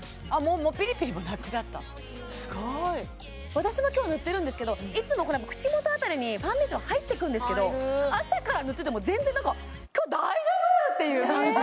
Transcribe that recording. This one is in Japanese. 私も今日塗ってるんですけどいつも口元あたりにファンデーション入ってくるんですけど入る朝から塗ってても全然何か今日大丈夫っていう感じ